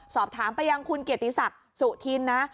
สอบถามไปยังคุณเกียรติศักดิ์สุธินนะ